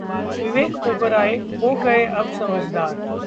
विवेक ओबरॉय हो गए अब समझदार